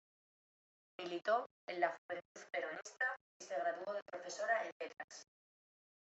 Militó en la Juventud Peronista y se graduó de profesora en Letras.